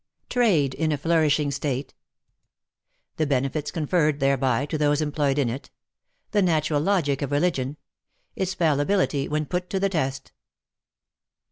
TRADE IN A FLOURISHING STATE THE BENEFITS CONFERRED THEREBY TO THOSE EMPLOYED IN IT THE NATURAL LOGIC OF RELIGION — ITS FALLIBILITY WHEN PUT TO THE TEST.